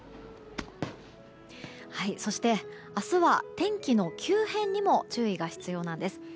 そして、明日は天気の急変にも注意が必要なんです。